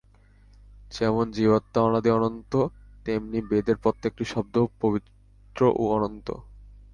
যেমন জীবাত্মা অনাদি অনন্ত, তেমনি বেদের প্রত্যেকটি শব্দ পবিত্র ও অনন্ত।